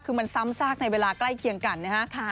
คือมันซ้ำซากในเวลาใกล้เคียงกันนะฮะ